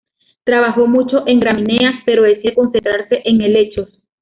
Trabajó mucho en gramíneas, pero decide concentrarse en helechos.